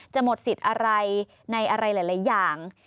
หมดสิทธิ์อะไรในอะไรหลายอย่าง